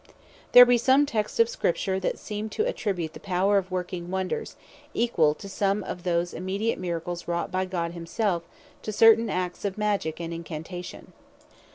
There be some texts of Scripture, that seem to attribute the power of working wonders (equall to some of those immediate Miracles, wrought by God himself,) to certain Arts of Magick, and Incantation.